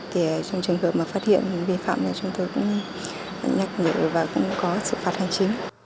trong trường hợp phát hiện vi phạm chúng tôi cũng nhắc nhở và cũng có sự phát hành